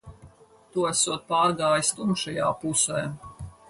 Tu esot pārgājis tumšajā pusē.